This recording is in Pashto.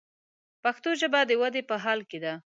پښتو ژبه د ودې په حال کښې ده.